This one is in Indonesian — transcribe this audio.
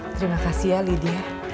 terima kasih ya lydia